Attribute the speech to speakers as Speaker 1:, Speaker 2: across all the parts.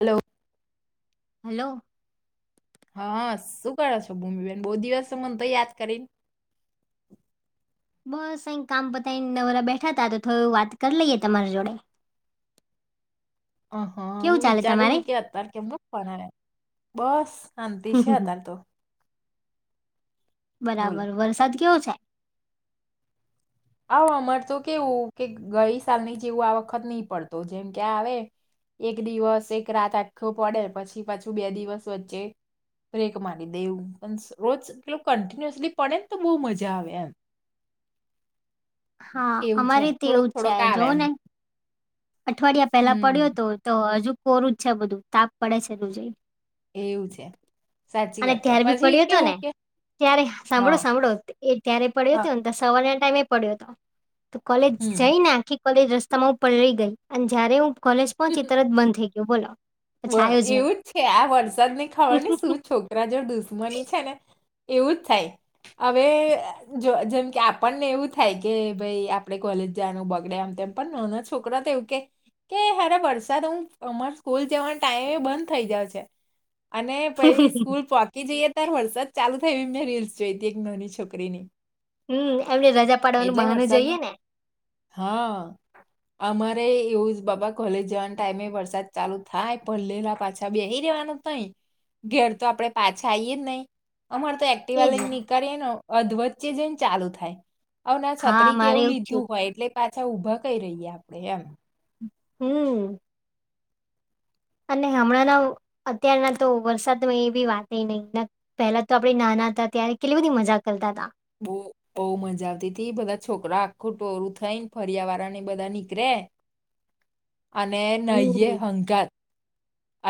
Speaker 1: Hello.
Speaker 2: Hello.
Speaker 1: હા શું કરો છો ભૂમિબેન બહુ દિવસ મને તો યાદ કરીને
Speaker 2: બસ અ કામ પતા નવરા બેઠા હતાા તો થોડ વાત કરી લઈએ તમારી જોડે
Speaker 1: અ હા હું
Speaker 2: કેવું ચાલે
Speaker 1: વિચારું
Speaker 2: તમારે
Speaker 1: કે અત્યારે કેમ ફને બસ અંત શ હ હતાાલ તો બોલો
Speaker 2: બરાબર વરસાદ કેવો છે
Speaker 1: આવો અમાર તો કેવું કે ગઈ સાલની જેવું આ વખત નહી પડતો જેમ ક્યા આવે એક દિવસ એક રાત આખો પડે પછી પાછું બે દિવસ વચ્ચે બ્રેક મારી દેવું પણ રોજ એલ કન્ટિન્યુઅસલી પડે ને તો બહુ મજા આવે એમ
Speaker 2: હા
Speaker 1: એવું છે
Speaker 2: અમારીીતે
Speaker 1: થોડોક
Speaker 2: એવું જ છે
Speaker 1: થોડોક આવે
Speaker 2: જોવું
Speaker 1: એમ
Speaker 2: ને અઠવાડિયા પેલા
Speaker 1: હમ
Speaker 2: પડ્યો તો તો હજુ કોરું જ છે બધું તાપ પડે છે દું જઈ
Speaker 1: એવું છે. સાચી
Speaker 2: અને
Speaker 1: વાત છે
Speaker 2: ત્ય્યારે બી
Speaker 1: પછી
Speaker 2: પડ્યો હતો
Speaker 1: કેવું
Speaker 2: ને
Speaker 1: કે
Speaker 2: ત્યારે સાંભળો
Speaker 1: હા
Speaker 2: સાંભળો ત્યારે પડ્યો
Speaker 1: હા
Speaker 2: હતો ને તો સવારના ટાઈમે પડ્યો હતો તો કોલેજ
Speaker 1: હમ
Speaker 2: જઈને આખી કોલેજ રસ્તામાં હું પલળી ગઈ અને જયારે હું કોલેજ પહોંચી તરત બંધ થઈ ગયયો બોલો પછી આવ્યો નહી
Speaker 1: એવું જ છે આ વરસાદ ની ખબર ને શું છોકરા જો દુશ્મની છે ને એવું જ થાય. હવે જેમ કે આપણને એવું થાય કે ભાઈ આપડે કોલેજ જવાનું બગડ આમ તેમ પણ નાના છોકરા તો એવું કે કે હરે વરસાદ હું અમાર સ્કૂલ નો ટાઈમે બંધ થઈ જયો છે અને પછ સ્કૂલ પોકી જઈએ સત્તર વર્ષ જ ચાલુ થય એવી મેં રીલ્સ જોઈ હતી એક નવી છોકરીની
Speaker 2: હમ એમને રજા પાડવાનું
Speaker 1: એટલે
Speaker 2: બહાનું
Speaker 1: વરસાદને
Speaker 2: જઈએે ને
Speaker 1: હા અમારે એવું બાબા કોલેજ જવાના ટાઈમે વરસાદ ચાલુ થાય પણ લેલા પાછા બે રેવાનું તઈ ઘેર તો આપડે પાછા આવીઈએ જ નહીિ અમાર તો એકટીવા
Speaker 2: એજ ને
Speaker 1: નીકળીએ ને અધ વચ્ચે જને ચાલુ થાય. હ ના
Speaker 2: હા
Speaker 1: છત્રી
Speaker 2: મારે
Speaker 1: કેવું
Speaker 2: એવું જ થયું
Speaker 1: લીધું હોય એટલે પાછા ઉભા કઈ રહીએ આપડે એમ
Speaker 2: હમ અને હમણાંના અત્યારના તો વરસાદમાં એ બી વાત નહી પહેલા તો આપે નાના હતા ત્યારે કેટલી બધી મજા કરતા હતા.
Speaker 1: બુ. બહુ મજા આવતી બધા છોકરા આખું ટોરું થઈ ને ફર્યા વાળા ને બધા નીકળે અને
Speaker 2: હમ્મ,
Speaker 1: નહીયએ હંકાર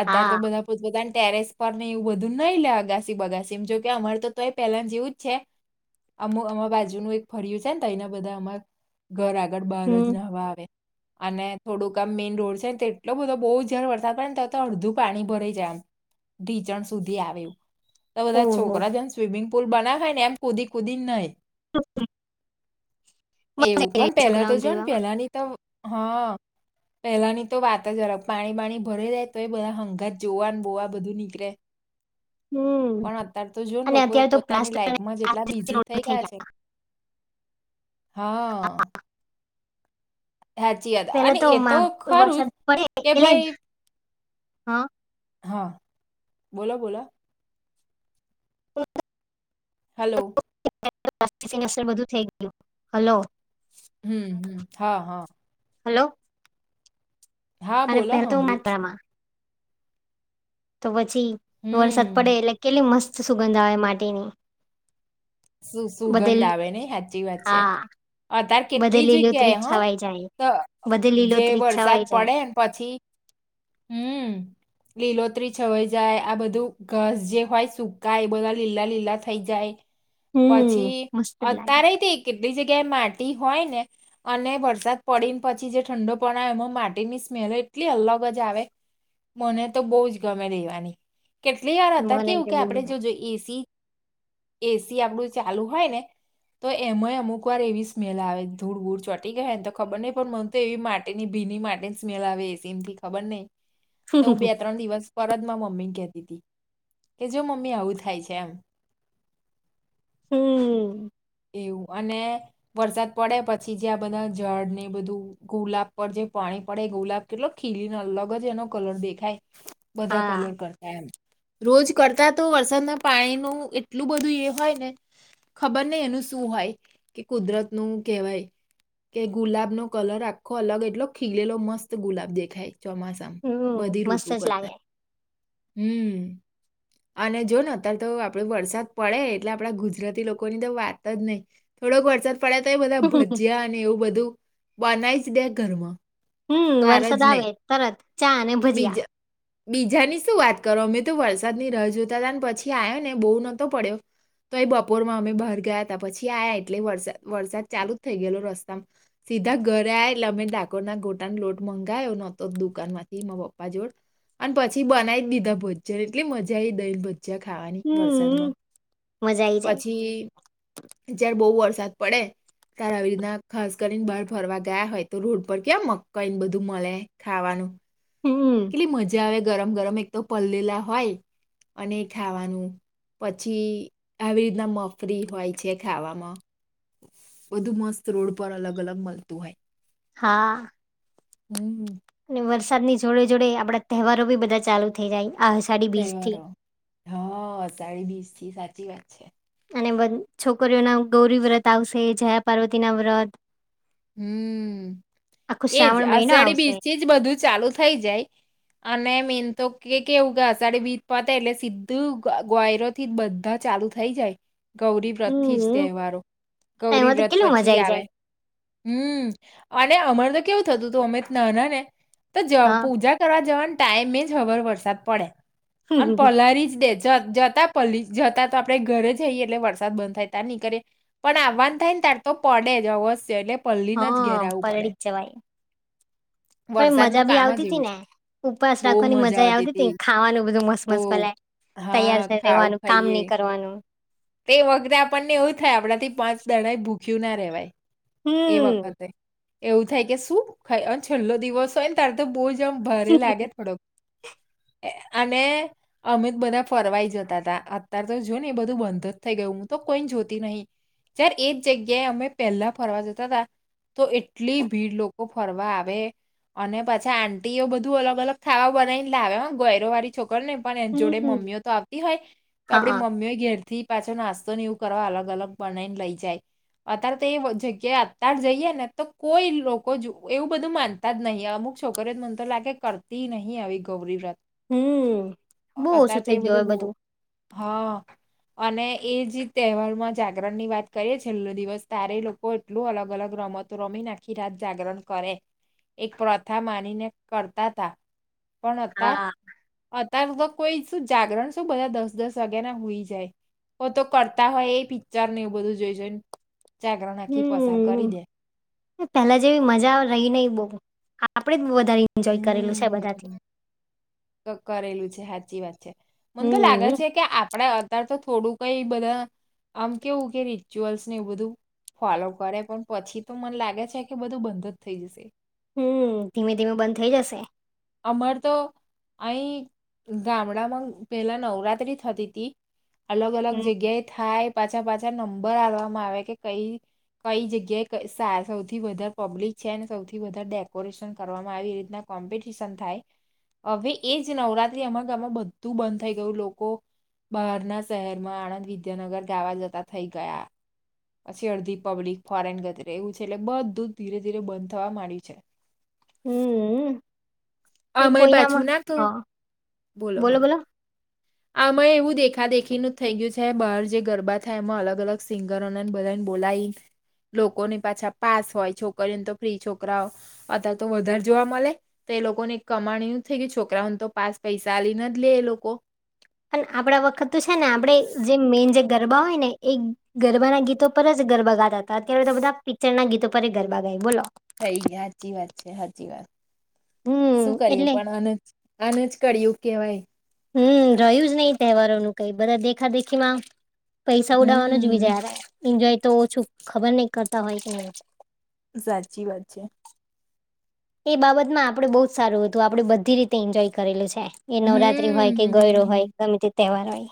Speaker 1: અત્ય્યારે
Speaker 2: હા
Speaker 1: તો બધા પોતપતાની ટેરેસ પર ને એવું બધું નહી લે અગાસી બગાસી જોકે અમારે તો એ પહેલા જેવું જ છે. અમુ અમા બાજુનું એક ફરય્યું છે ને તો એના બધા અમાર ઘર આગળ બહાર જ
Speaker 2: હમ્મ,
Speaker 1: નહવા આવે અને થોડુંક આમ મેઈન રોડ છે ને તો એટલો બધો બહુ જારે વરસાદ પડ ને તો અડધું પાણી ભરાઈ જાય એમ ઢીચણ સુધી આવેું તો બધા
Speaker 2: ઓહો
Speaker 1: છોકરા જે સ્વિમિંગ પુલ બનાય ને એ કુદીિક કુદી નઈ.
Speaker 2: [unintelligible] મળે
Speaker 1: એવું પણ પેલા તો
Speaker 2: છોકરાઓને
Speaker 1: જો ને
Speaker 2: એવામાં
Speaker 1: પેલા ની તો હા પેલાની તો વાત જ અલગ પાણી પાણી ભરી જાય. તો એ બધા હંગાત જોવાને બોવા બધું નીકળે.
Speaker 2: હમ્મ,
Speaker 1: પણ અત્યારે તો જો ને
Speaker 2: અને
Speaker 1: લોકો
Speaker 2: અત્યારે તો
Speaker 1: પોતાની
Speaker 2: પ્લાસ્ટર
Speaker 1: લાઈફમાં જેટલા બિઝી થઈ ગયા છે. હા. સાચી વાદ
Speaker 2: પેલા
Speaker 1: અને એ તો
Speaker 2: માં
Speaker 1: ખરું જ
Speaker 2: વરસાદ પડે
Speaker 1: કે
Speaker 2: એટલે
Speaker 1: ભાઈ
Speaker 2: હા
Speaker 1: હા બોલો બોલા હલો
Speaker 2: [unintelligible] [unintelligible] બધું થઈ ગયું હલો
Speaker 1: હમ હમ હા હા.
Speaker 2: હલો.
Speaker 1: હા
Speaker 2: અને
Speaker 1: બોલો
Speaker 2: પહેલા તો
Speaker 1: હામડૂ છું.
Speaker 2: માત્રામાં તો પછી વરસાદ
Speaker 1: હમ
Speaker 2: પડે એટલે કેટલી મસ્ત સુગંધા આવે માટીની.
Speaker 1: સુું સુગંધ
Speaker 2: બધે લી-
Speaker 1: આવે નઈ સાચી વાત છે.
Speaker 2: હા
Speaker 1: અધાર
Speaker 2: બધે
Speaker 1: કેટલી જગ્યાએ
Speaker 2: લીલોતરી
Speaker 1: હા
Speaker 2: છવાઈ જાય
Speaker 1: તો
Speaker 2: બધે
Speaker 1: જે
Speaker 2: લીલોતરી
Speaker 1: વરસાદ
Speaker 2: છવાઈ જાય
Speaker 1: પડે પછી.
Speaker 2: [inaudible]
Speaker 1: હમ. લીલોતરી છવાઈ જાય આ બધું ઘસ જે હોય સુકાય એ બધા લીલા લીલા થઈ જાય.
Speaker 2: હમ
Speaker 1: પછી
Speaker 2: મસ્ત જ લાગે
Speaker 1: અત્યારે તે કેટલી જગ્યાએ માટી હોય ને અને વરસાદ પડીને પછી જે ઠંડો પણ આવે એમાં માટીની સ્મેલ એટલી અલગ જ આવે મને તો બહુ જ ગમે રહેવાની. કેટલી વાર અતાર
Speaker 2: મને
Speaker 1: કેવું
Speaker 2: તે
Speaker 1: કે
Speaker 2: બહુ
Speaker 1: આપણે
Speaker 2: ગમે
Speaker 1: જો જો એસી એસી આપડું ચાલુ હોય ને તો એમાંય અમુક વાર એવી સ્મેલ આવે ધૂળ ધૂળ ચોટી ગયા એને તો ખબર નહ પણ તો એવી માટેની ભીની માટે સ્મેલ આવે એસીમથી ખબર નહ તો હું બે ત્રણ દિવસ પરત મા મમ્મી કતી હતી કે જો મમ્મી આવું થાય છે એમ
Speaker 2: હમ.
Speaker 1: એવું અને વરસાદ પડે પછી જે આ બધા ઝાડ ને બધું. ગુલાબ પર જે પાણી પડે એ ગુલાબ કેટલો ખીલીને અલગ જ એનો કલર દેખાય બધા
Speaker 2: હા
Speaker 1: કલર કરતા એમ રોજ કરતા તો વરસાદના પાણી ન એટલું બધું એ હોય ને ખબર નહ એનું શું હોય કે કુદરત નું કહેવાય. કે ગુલાબ નો કલર આખો અલગ એટલો ખીલેલો મસ્ત ગુલાબ દેખાય ચોમાસા
Speaker 2: હમ
Speaker 1: બધી
Speaker 2: મસ્ત
Speaker 1: ઋતુ
Speaker 2: જ લાગે
Speaker 1: કરતા હમ અને જો ને અત્યારે તો આપણો વરસાદ પડે એટલે આપણા ગુજરાતી લોકો ની તો વાત ન થોડક વર્સા પડ્યા તો બધા ભજીયા એવું બધું બનાઈ જ દે ઘરમાં
Speaker 2: હમ
Speaker 1: બહાર જ
Speaker 2: વરસાદ આવે
Speaker 1: નહીં
Speaker 2: તત ચા અને ભજીયા
Speaker 1: બીજા બીજાની શું વાત કરો અમે તો વરસાદની ર જોતા હતા ને પછી આવ્યો ને બહુ નહતો પડ્યો. તો એ બપોરમાં અમે બહાર ગયા હતા પછી આયા એટલે વરસાદ વરસાદ ચાલુ જ થઈ ગયેલો રસ્તામાં સીધા ઘરે આ લમે ડાકોર ના ગોટાનો લોટ મંગાયો નતો દુકાન માંથી મારા પપ્પા જોડ અને પછી બનાવી દીધા ભોજન એટલે મજા આવીઈ દેલ ભન છે ખાવાની વરસાદમાં
Speaker 2: હમ મજા આઈ જાય
Speaker 1: પછી. જય્યારે બહુ વરસાદ પડે તારે આવી રીતના ખાસ કરીને બહાર ફરવા ગયા હોય તો રોડ પર કે્યા મકઈને બધું મળે ખાવાનું.
Speaker 2: હમ
Speaker 1: કેટલી મજા આવે ગરમ ગરમ એક તો પલેલા હોય અને ખાવાનું. પછી આવી રીતના મફરી હોય છે ખાવામાં બધું મસ્ત રોડ પર અલગ અલગ મળતું હોય.
Speaker 2: હા.
Speaker 1: હમ હમ.
Speaker 2: અને વરસાદ ની જોડે જોડે આપડા તહેવારો બી બધા ચાલુ થઈ જાય આ- અષાઢી બીજ થી
Speaker 1: તહેવારો હ સાડી બીસ થી સાચી વાત છે.
Speaker 2: અને છોકરીઓના ગૌરી વ્રત આવશે જયા પાર્વતી ના વ્રત આખો
Speaker 1: હમ એજ
Speaker 2: શ્રાવણ મહિનો
Speaker 1: અષાઢી
Speaker 2: આવશે.
Speaker 1: બીચ થી જ બધું ચાલુ થઇ જાય. અને મેન તો કે કેવું ગાસડીે બીજ પાતા એટલે સીધું ગ્વાયરો થી બધા ચાલુ થઈ જાય. ગૌરી વ્રત થી જ
Speaker 2: હમ્મ,
Speaker 1: તહેવારો ગૌરી
Speaker 2: એમાં તો
Speaker 1: વ્રત
Speaker 2: કેટલું મજા
Speaker 1: પછી
Speaker 2: આઈ
Speaker 1: આવે.
Speaker 2: જાય.
Speaker 1: હમ અને અમર તો કેવું થતું હતું અમે નાના ને તો
Speaker 2: હા.
Speaker 1: પૂજા કરવા જવા ટાઈમે જ હબર વરસાદ પડે અને પલારી જ દેજ જતા પલી જતા તો આપડણે ઘરે જઈએ એટલે વરસાદ બંધ થાય ત્યા નીકળે પણ આવવાન થાય ને તારે તો પડે જ અવશ્ય એટલે પલ્લીને જ ઘેર
Speaker 2: હા
Speaker 1: આવવું પડે.
Speaker 2: પરળ જવાય- પણ
Speaker 1: વરસાદનું
Speaker 2: મજા બી
Speaker 1: કામ
Speaker 2: આવતી
Speaker 1: જ
Speaker 2: હતી
Speaker 1: એવું
Speaker 2: ને
Speaker 1: છે.
Speaker 2: ઉપવાસ રાખવાની મજા આવતી હતી ને ખાવાનું બધું મસ્ત
Speaker 1: બહુ
Speaker 2: મસ્ત મલે. તૈયાર
Speaker 1: હા
Speaker 2: છે
Speaker 1: ખાવું
Speaker 2: રહેેવાનું કામ
Speaker 1: ખાઈએ
Speaker 2: નહી કરવાનું.
Speaker 1: તે એ વખતે આપણને એવું થાય આપણા થી પાંચ દણા ભૂખ્યું ના રહેેવાય. એ
Speaker 2: હમ્મ.
Speaker 1: વખતે એવું થાય કે શું ખાય છેલ્લો દિવસ હોય ને તારે તો બહુ જમ ભરે લાગે થોડોક
Speaker 2: [unintelligible]
Speaker 1: અને અમિત બધા ફરવાઈ જતા હતા અત્યાર તો જોય ને એ બધું બધ થઈ ગયું હું તો કોઈ જોતી નહી જય્યારે એજ જગ્યાએ અમે પહેલા ફરવા જતા હતા. તો એટલી ભીડ લોકો ફરવા આવે. અને પછી આંટીીઓ બધું અલગ અલગ ખાવા બનાવીને લાવે ગયરો વાળી છોકરીને પણ એ જોડે
Speaker 2: હમ્મ.
Speaker 1: મમ્મી તો આવતી હોય તો આપડી
Speaker 2: હા.
Speaker 1: મમ્મીય ઘેર પાછો નાસ્તો ને એવું કરવા અલગ અલગ બનાને લઈ જાય. અત્યારે તો એ જગ્યાએ અત્યારે જઈએ ને તો કોઈ લોકો જો એવું બધું માન ત જ નહી અમુક છોકરીત મત લાગે કરતી ન આવીવે ગૌરીબ રથ
Speaker 2: હમ બહુ ઓછું થઇ ગયું એ
Speaker 1: બહુ
Speaker 2: બધું
Speaker 1: હા. અને એ જ તહેવાર માં જાગરણ ની વાત કરીએ છેલ્લો દિવસ તારે લોકો એટલું અલગ અલગ રમતો રમી નાખી રાત જાગરણ કરે એક પ્રથા માનીને કરતા તા પણ અતાર
Speaker 2: હા.
Speaker 1: અતાર તો કોઈ શું જાગરણ શું બધા દસ દસ વાગ્યા ના હુઈ જાય ઓ તો કરતા હોય એ પિક્ચર ને એવું બધું જોઈ જોઈને જાગરણ આખી પસાર કરી દે.
Speaker 2: પેલા જેવી મજા રય નય બો, આપળે જ વધારે એન્જોય કરેલું છે બધાથી.
Speaker 1: તો કરેલું છે હાચી વાત છે મન તો લાગે
Speaker 2: હમ્મ.
Speaker 1: છે કે આ પળા અત્યર તો થોડું કઈ બધા આમ કેવું કે રિચ્યુઅલ્સ ને એ બધું. ફોલો કરે પણ પછી તો મને લાગે છે કે બધું બંધ જ થઈ જશે.
Speaker 2: હમ્મ, ધીમે ધીમે બંધ થઇ જશે.
Speaker 1: અમાર તો અઈ ગામડામાં પેલાં નવરાત્રિ થતી તી અલગ અલગ
Speaker 2: હમ્મ.
Speaker 1: જગ્યાએ થાય પાછા પાછા નંબર હાલવામાં આવે કે કઈ કઈ જગ્યાએ કઈ સાર સૌથી વધારે પબ્લિક છે, ને સૌથી વધારે ડેકોરેશન કરવામાં આવી રીતના કોમ્પિ ટિશન થાય, અવે એ જ નવરાત્રી અમાર ગામમાં બધું બંધ થઈ ગયું, લોકો બારના શેહેરમાં, આણંદ, વિદ્યાનગર ગાવા જતા થઈ ગયા. પછી અળધી પબ્લિક ફોરેન ગતી રય એવું છે એટલે બધું જ ધીરે ધીરે બંધ થવા માંડ્યું છે.
Speaker 2: હમ્મ અ, એ
Speaker 1: આમાંય
Speaker 2: કોઈ
Speaker 1: પાછું
Speaker 2: નામાં
Speaker 1: ના તો
Speaker 2: હા બોલો બોલો.
Speaker 1: આમાંએ એવું દેખા દેખીનું થઈ ગ્યું છે બાર જે ગરબા થાય એમાં અલગ અલગ સિંગ ગરોને બધાને બોલાઈ લોકોની પાછા પાસ હોય છોકરીઓને તો ફ્રી છોકરાઓ અતા તો વધારે જોવા મલે તે લોકોને એક કમાણી નું થઈ ગય છોકરાઓને તો પાસ પૈસા આલી નથ લય લોકો
Speaker 2: પણ આપળા વખત તો છે ને આપળે જે મેન જે ગરબા હોય ને. એક ગરબાના ગીતો પર જ ગરબા ગાતા અતા તા, અત્યારે તો બધા પિક્ચરના ગીતો પર એ ગરબા ગાય બોલો.
Speaker 1: થઈ ગ્યા હાચી વાત છે, હાચી વાત
Speaker 2: હમ્મ,
Speaker 1: શું કરીએ
Speaker 2: એટલે
Speaker 1: પણ અ નજ આને જ કળિયુગ કેવાય.
Speaker 2: હમ્મ, રહ્યું જ નઈ તેવારોનું કઈ બધા દેખા દેખી માં પૈસા ઉડાવાનું જ
Speaker 1: હમ
Speaker 2: વિજારે એન્જોય તો ઓછું ખબર નય કરતા હોય કે
Speaker 1: સાચી વાત છે.
Speaker 2: એ બાબતમાં આપળુ બો જ સારું અતું આપળે બધી રીતે એન્જોય કરેલું છે. એ નવરાત્રી હોય
Speaker 1: હમ
Speaker 2: કે
Speaker 1: હમ હમ
Speaker 2: ગયરો હોય ગમે તે તેવાર હોય.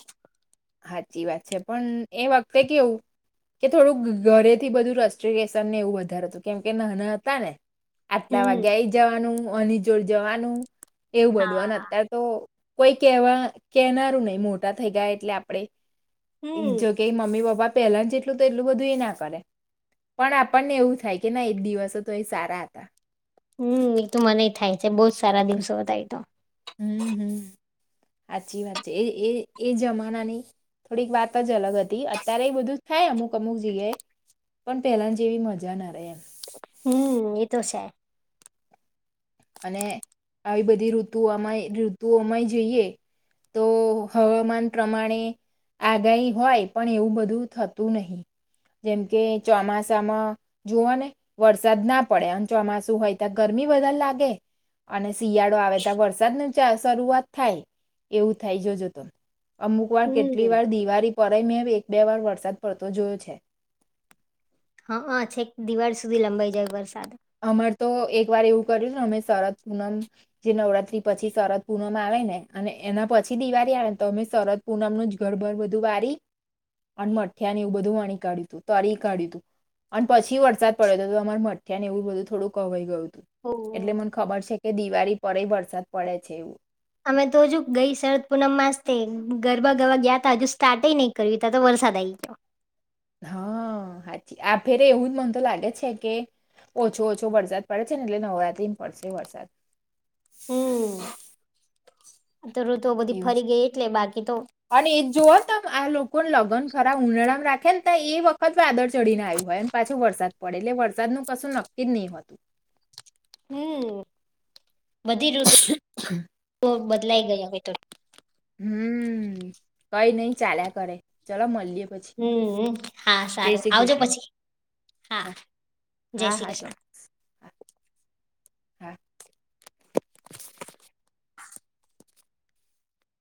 Speaker 1: હાચી વાત છે, પણ એ વકતે કેવું કે થોડુંક ઘરે થી બધું રસ્ટિગેસન ને એવું વધારે અતું કેમ કે નાના અતા ને આટલા
Speaker 2: હમ્મ,
Speaker 1: વાગે આઈ જવાનું, આની જોડ જવાનું એવું બધું અન
Speaker 2: હા.
Speaker 1: અત્યાર તો કોઈ કવા કેનારું નય મોટા થઈ ગ્યા એટલે આપળે,
Speaker 2: હમ.
Speaker 1: જગ કે મમ્મી પપ્પા પેલાન જેટલું તો એટલું બધું એ ના કરે પણ આપણને એવું થાય કે નય એ દિવસો તો એ સારા અતા.
Speaker 2: હમ્મ, ઈ તો મનેઈ થાય છે, બો જ સારા દિવસો અતા એ તો
Speaker 1: અમ્મ, હમ હાચી વાત છે એ એ એ જમાનાની. થોડીક વાત જ અલગ હતી અત્યારે એ બધું થાય અમુક અમુક જગ્યાએ પણ પેલાન જેવી મજા ના આવે એમ.
Speaker 2: હમ્મ, એ તો સે.
Speaker 1: અને આવી બધી ઋતુ આમાંએ ઋતુઓમાંય જઈએ. તો હવામાન પ્રમાણે આગાઈ હોય પણ એવું બધું થતું નહી, જેમ કે ચોમાસામાં જોવો ને વરસાદ ના પડે અન ચોમાસું હોય ત્યા ગરમી વધારે લાગે કે, અને શિયાળો આવે તા વરસાદ ન ચા શરૂઆત થાય. એવું થાય જોજો તો અમુક વાર કેટલી
Speaker 2: હમ
Speaker 1: વાર દિવારી પરે મેં એક બે વાર વરસાદ પડતો જોયો છે.
Speaker 2: હ અ છેક દિવાળ સુધી લંબાઈ જાય વરસાદ.
Speaker 1: અમાર તો એક વાર એવું કર્યું ને અમે શરદ પૂનમ જે નવરાત્રી પછી શરદ પૂનમ આવે ને અને એના પછી દિવારી આવે ને તો અમે સરરદ પૂનમનું જ ઘરબર બધું વારી અને મઠિયાને એવું બધું વણી કાઢ્યું તું તરી કાઢ્યું તું અન પછી વરસાદ પડે તો તું અમાર મટ ને એવું બધું થોડું કવાઈ ગયુંતું, એટલે
Speaker 2: ઓહ.
Speaker 1: મને ખબર છે, કે દિવાળી પર વરસાદ પડે છે, એવું
Speaker 2: અમે તો હજુ ગઈ શરદ પૂનમાસ તે ગરબા ગરબા ગયા, તા હજુ સ્ટાર્ટ નહી કર તા તો વરસાદ આવી ગયો.
Speaker 1: હ હાચી આ ફેરે એવું જ મન તો લાગે છે, કે- ઓછો ઓછો વરસાદ પડે છે, ને એટલે નવરાત્રી પડશે વરસાદ
Speaker 2: હમ અતઋ તો બધી
Speaker 1: એવું છે
Speaker 2: ફરી ગઈ એટલે બાકી તો
Speaker 1: અને એ જ જોઓ તમે આ લોકોને લગ્ન ખરાબ ઉનાળામાં રાખે ને ત એ વખત વાદળ ચડી ને આવ્યું હોય ને પાછું વરસાદ પડે એટલે વરસાદનું કશું નક્કી જ નહી હોય.
Speaker 2: હમ બધી ઋતુ [unintelligible] બદલાઈ ગઈ હવે તો,
Speaker 1: હમ કઈ નઈ ચાાલ્યા કરે ચલો મળીએ પછી.
Speaker 2: હમ હા
Speaker 1: જય
Speaker 2: સારું
Speaker 1: શ્રી
Speaker 2: આવજો
Speaker 1: કૃષ્ણ
Speaker 2: પછી હા જય
Speaker 1: હા
Speaker 2: શ્રી
Speaker 1: હા
Speaker 2: કૃષ્ણ.
Speaker 1: ચોક્કસ હા હા